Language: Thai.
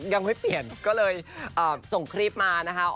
ยังไม่เปลี่ยนก็เลยส่งคลิปมานะคะ